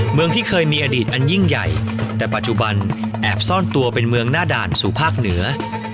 เมืองที่เคยมีอดีตอันยิ่งใหญ่แต่ปัจจุบันแอบซ่อนตัวเป็นเมืองหน้าด่านสู่ภาคเหนือ